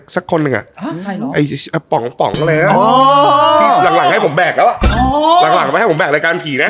ซี่หลังหลังให้ผมแบกแล้วหลังหลังให้ผมแบกรายการผีนะ